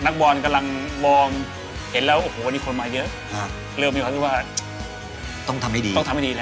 กำลังบ่นเป็นคนมาเยอะเริ่มมีความคิดว่าต้องทำให้ดี